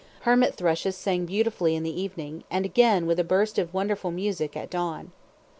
Hermit thrushes sang beautifully in the evening, and again, with a burst of wonderful music, at dawn.